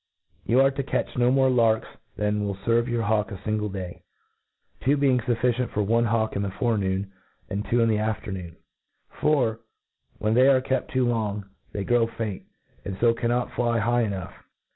You are to cat<;h no more larks than will ferve your hawk a iingfe day, two being fufficient for one hawk in the forenoon, and two in the af ternoon : For, when they are kept too long, they grow faint, and k^ cannot fly high enough.